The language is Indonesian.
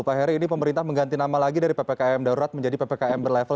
pak heri ini pemerintah mengganti nama lagi dari ppkm darurat menjadi ppkm berlevel